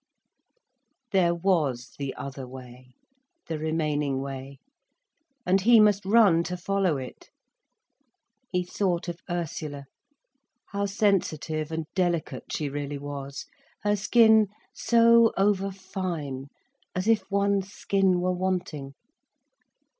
There was the other way, the remaining way. And he must run to follow it. He thought of Ursula, how sensitive and delicate she really was, her skin so over fine, as if one skin were wanting.